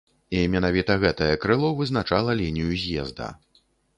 І менавіта гэтае крыло вызначала лінію з'езда.